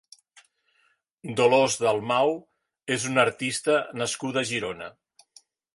Dolors Dalmau és una artista nascuda a Girona.